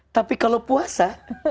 tapi kalau puasa